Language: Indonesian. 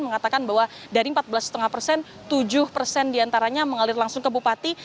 mengatakan bahwa dari empat belas lima persen tujuh persen diantaranya mengalir langsung ke bupati